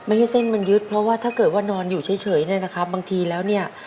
ให้เส้นมันยึดเพราะว่าถ้าเกิดว่านอนอยู่เฉยเนี่ยนะครับบางทีแล้วเนี่ย